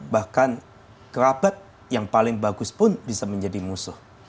bahkan kerabat yang paling bagus pun bisa menjadi musuh